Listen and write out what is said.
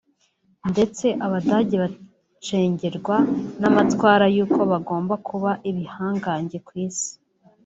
ndetse abadage bacengerwa n’amatwara y’uko bagomba kuba ibihangange ku isi